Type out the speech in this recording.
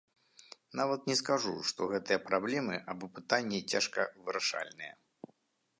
Нават не скажу, што гэтыя праблемы або пытанні цяжка вырашальныя.